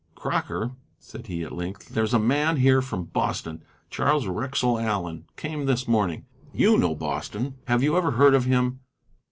"Crocker," said he, at length, "there's a man here from Boston, Charles Wrexell Allen; came this morning. You know Boston. Have you ever heard of him?"